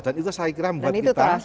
dan itu saya kira buat kita terasa